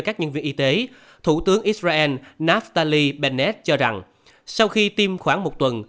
các nhân viên y tế thủ tướng israel nathalie bennett cho rằng sau khi tiêm khoảng một tuần